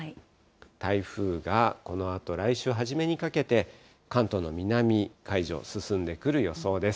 台風がこのあと、来週初めにかけて、関東の南海上を進んでくる予想です。